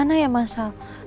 kemana ya masal